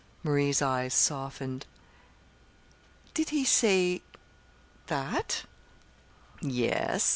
Marie's eyes softened. "Did he say that?" "Yes.